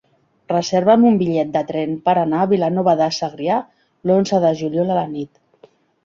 Reserva'm un bitllet de tren per anar a Vilanova de Segrià l'onze de juliol a la nit.